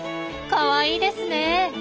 かわいいですね。